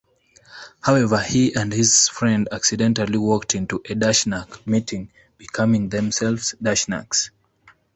However, he and his friend accidentally walked into a Dashnak meeting, becoming themselves Dashnaks.